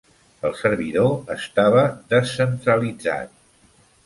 El servidor estava descentralitzat.